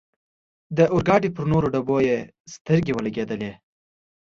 د اورګاډي پر نورو ډبو یې سترګې و ګنډلې.